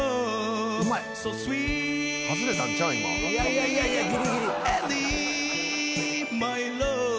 いやいやギリギリ。